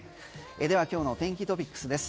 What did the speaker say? では、今日の天気トピックスです。